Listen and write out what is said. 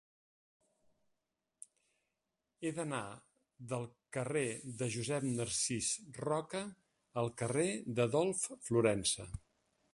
He d'anar del carrer de Josep Narcís Roca al carrer d'Adolf Florensa.